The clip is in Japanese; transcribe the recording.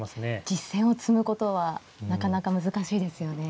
実戦を積むことはなかなか難しいですよね。